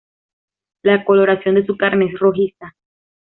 La coloración de su carne es rojiza.